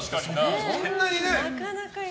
そんなにね。